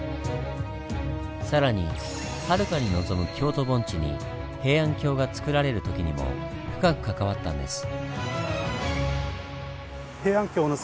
更にはるかに望む京都盆地に平安京がつくられる時にも深く関わったんです。